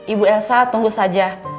ibu elsa tunggu saja